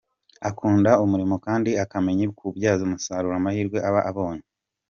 Akunda umurimo kandi akamenya kubyaza umusaruro amahirwe aba abonye.